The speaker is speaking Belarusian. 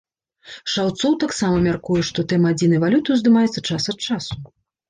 Шаўцоў таксама мяркуе, што тэма адзінай валюты ўздымаецца час ад часу.